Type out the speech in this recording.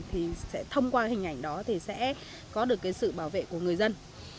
thì sẽ thông qua hình ảnh đó thì sẽ có được cái sự bảo vệ của người dân